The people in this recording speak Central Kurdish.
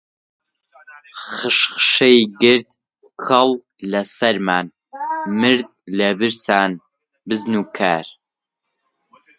خشخشەی گرت کەڵ لە سەرمان، مرد لە برسان بزن و کار